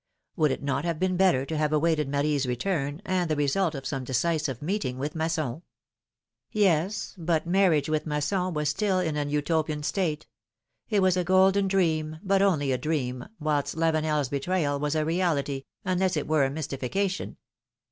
Would it not have been better to have awaited Marie's return, and the result of some decisive meeting with Masson ? Yes, but marriage with Masson was still in an Utopian state; it was a golden dream, but only a dream, whilst Lavenel's betrayal was a reality, unless it were a mystifi cation.